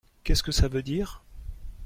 Qu’est-ce que ça veut dire ?